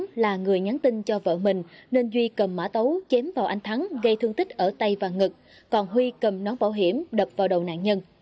tuấn anh là người nhắn tin cho vợ mình nên duy cầm mã tấu chém vào anh thắng gây thương tích ở tay và ngực còn huy cầm nón bảo hiểm đập vào đầu nạn nhân